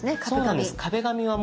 そうなんです。